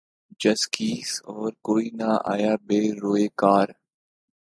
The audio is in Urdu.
جزقیس اور کوئی نہ آیا بہ روے کار